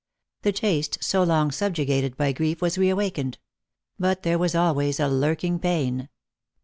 The taste, so long subjugated by grief, was reawakened ; but there was always a lurking pain.